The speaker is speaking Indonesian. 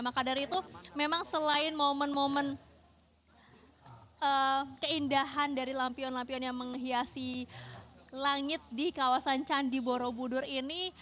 maka dari itu memang selain momen momen keindahan dari lampion lampion yang menghiasi langit di kawasan candi borobudur ini